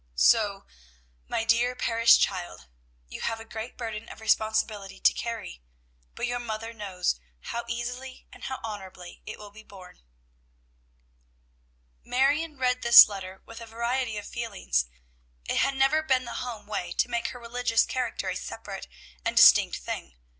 "So, my dear parish child, you have a great burden of responsibility to carry; but your mother knows how easily and how honorably it will be borne." Marion read this letter with a variety of feelings. It had never been the home way to make her religious character a separate and distinct thing.